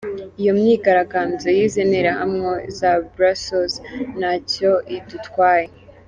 Iyo myigaragambyo yize nterahamwe za Bruxelles ntacyo idutwaye.